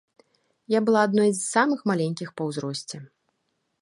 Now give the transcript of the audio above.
Я была адной з самых маленькіх па ўзросце.